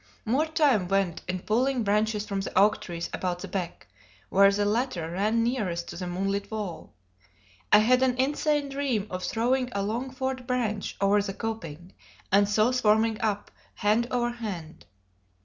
More time went in pulling branches from the oak trees about the beck, where the latter ran nearest to the moonlit wall. I had an insane dream of throwing a long forked branch over the coping, and so swarming up hand over hand.